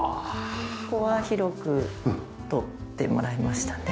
ここは広くとってもらいましたね。